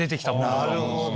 なるほど。